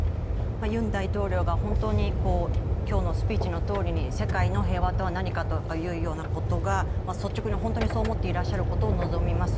ユン大統領が本当に今日のスピーチのとおりに世界の平和とは何かということが率直に本当にそう思ってらっしゃることを望みます。